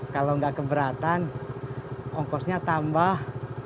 kalau nggak keberatan ongkosnya tambah